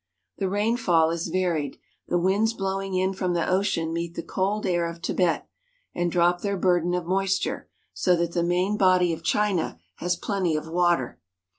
The rainfall is varied. The winds blowing in from the ocean meet the cold air of Tibet, and drop their burden of moisture, so that the main body of China has plenty of water.